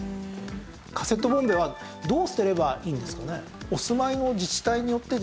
カセットボンベはどう捨てればいいんですかね？